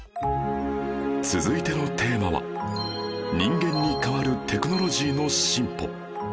続いてのテーマは人間に代わるテクノロジーの進歩